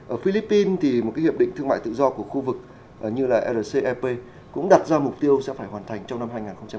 ở philippines thì một hiệp định thương mại tự do của khu vực như là rcep cũng đặt ra mục tiêu sẽ phải hoàn thành trong năm hai nghìn hai mươi